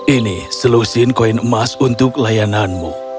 ini selusin koin emas untuk layananmu